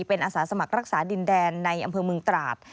เป็นอาสาสมัครรักษาดินแดนในอำเภอเมืองตราด